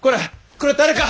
これ誰か！